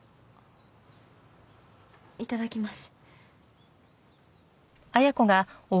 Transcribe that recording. いただきます。